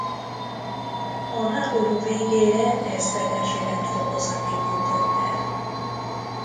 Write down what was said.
A háború végére ezredesi rendfokozatig jutott el.